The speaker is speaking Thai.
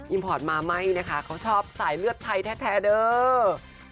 พอร์ตมาไม่นะคะเขาชอบสายเลือดไทยแท้เด้อ